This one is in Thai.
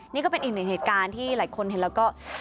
นี่ก็เป็นอีกหนึ่งเหตุการณ์ที่หลายคนเห็นแล้วก็